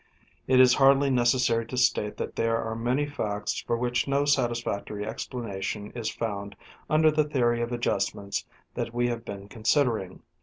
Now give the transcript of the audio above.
— It is hardly necessary to state that there are many facts for which no satisfactory explanation is fouijd under the theory of adjustments that we have been considering.